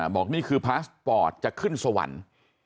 บอกนี่คือพาสปอร์ตจะขึ้นสวรรค์